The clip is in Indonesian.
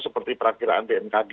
seperti perakhiran dnkg